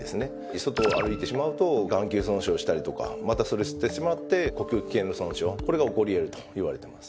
外を歩いてしまうと眼球損傷したりとかまたそれを吸ってしまって呼吸器系の損傷これが起こり得るといわれています。